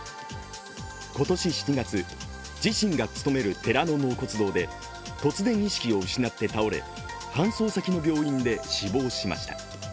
今年７月、自身が務める寺の納骨堂で突然、意識を失って倒れ搬送先の病院で死亡しました。